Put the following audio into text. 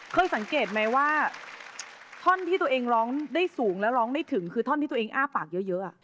เคยสังเกตไหมว่าท่อนที่ตัวเองร้องได้สูงแล้วร้องได้ถึงคือท่อนที่ตัวเองอ้าปากเยอะ